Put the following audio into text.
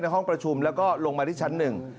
ห้องประชุมแล้วก็ลงมาที่ชั้นหนึ่ง